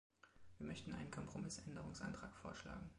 Wir möchten einen Kompromissänderungsantrag vorschlagen.